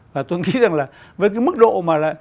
và tôi nghĩ rằng là với cái mức độ mà là